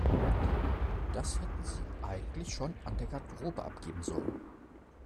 Das hätten Sie eigentlich schon an der Garderobe abgeben sollen.